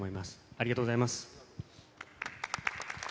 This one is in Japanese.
ありがとうございます。